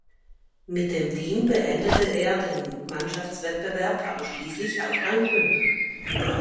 Mit dem Team beendete er den Mannschaftswettbewerb aber schließlich auf Rang fünf.